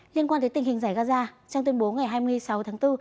liên quan đến tình hình giải gaza trong tuyên bố ngày hai mươi sáu tháng bốn